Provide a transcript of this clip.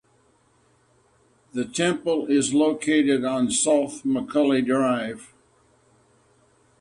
The temple is located on South Mccully Drive.